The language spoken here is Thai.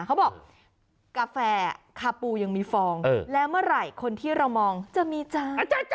เขาบอกกาแฟคาปูยังมีฟองแล้วเมื่อไหร่คนที่เรามองจะมีจัง